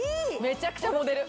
めちゃくちゃモデル。